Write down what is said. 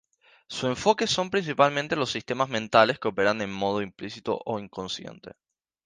Su enfoque son principalmente los sistemas mentales que operan en modo implícito o inconsciente.